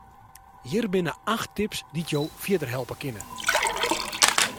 Hjir binne acht tips dy't jo fierder helpe kinne.